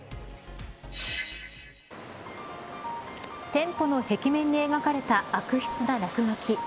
店舗の壁面に描かれた悪質な落書き。